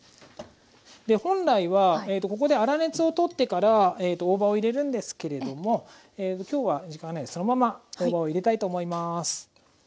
で本来はここで粗熱を取ってから大葉を入れるんですけれども今日は時間がないんでそのまま大葉を入れたいと思います。